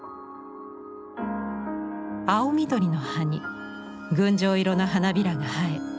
青緑の葉に群青色の花びらが映え